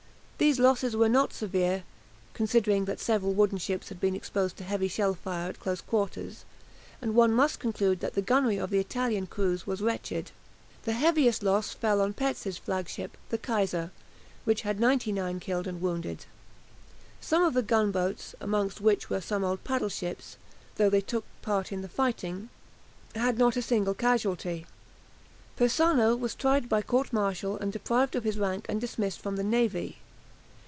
These losses were not severe, considering that several wooden ships had been exposed to heavy shell fire at close quarters, and one must conclude that the gunnery of the Italian crews was wretched. The heaviest loss fell on Petz's flagship, the "Kaiser," which had 99 killed and wounded. Some of the gunboats, among which were some old paddle ships, though they took part in the fighting, had not a single casualty. Persano was tried by court martial and deprived of his rank and dismissed from the navy.